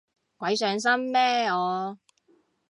鬼上身咩我